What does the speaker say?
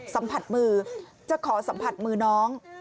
สัมผัสมือจะขอสัมผัสมือน้อง